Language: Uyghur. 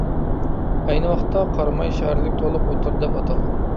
ئەينى ۋاقىتتا قاراماي شەھەرلىك تولۇق ئوتتۇرا دەپ ئاتالغان.